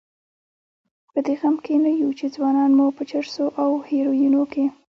په دې غم کې نه یو چې ځوانان مو په چرسو او هیرویینو کې.